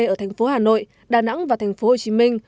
ở thành phố hà nội đà nẵng và thành phố hồ chí minh